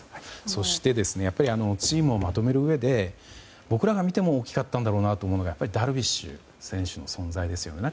そしてチームをまとめる上で僕らが見ても大きかったんだろうなと思うのがやっぱりダルビッシュ選手の存在ですよね。